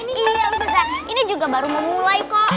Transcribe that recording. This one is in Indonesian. iya ustazah ini juga baru memulai kok